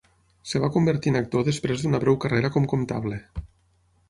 Es va convertir en actor després d'una breu carrera com comptable.